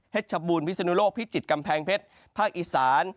ชบูรพิศนุโลกพิจิตรกำแพงเพชรภาคอีสาน